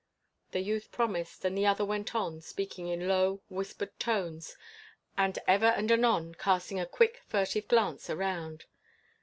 The youth promised, and the other went on, speaking in low, whispered tones, and ever and anon casting a quick, furtive glance around.